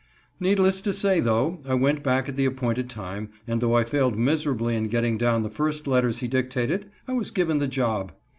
Needless to say, though, I went back at the appointed time, and though I failed miserably in getting down the first letters he dictated, I was given the job.